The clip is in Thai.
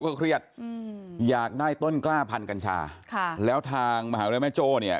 ก็เครียดอืมอยากได้ต้นกล้าพันกัญชาค่ะแล้วทางมหาวิทยาลัยแม่โจ้เนี่ย